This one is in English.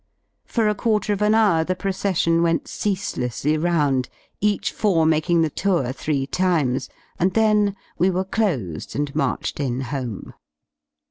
For a quarter of an hour the procession went ceaselessly round, each four making the tour three times, and then we were closed and marched in home.